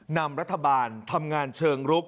นำรัฐบาลทำงานเชิงรุก